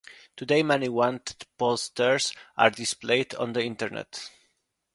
Today many wanted posters are displayed on the Internet.